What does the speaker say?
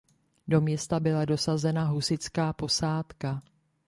Do města byla dosazena husitská posádka.